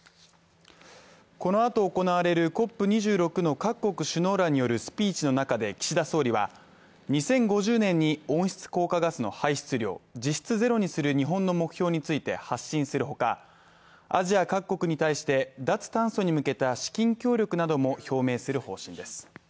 このあと行われるＣＯＰ２６の各国首脳らによるスピーチの中で岸田総理は２０５０年に温室効果ガスの排出量実質ゼロにする日本の目標について発信するほかアジア各国に対して脱炭素に向けた資金協力なども表明する方針です。